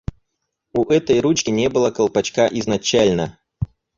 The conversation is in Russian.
У этой ручки не было колпачка изначально.